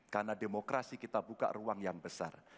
karena demokrasi kita buka ruang yang besar